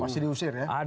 pasti diusir ya